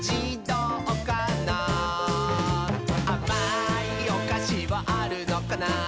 「あまいおかしはあるのかな？」